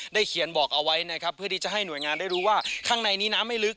เขียนบอกเอาไว้นะครับเพื่อที่จะให้หน่วยงานได้รู้ว่าข้างในนี้น้ำไม่ลึก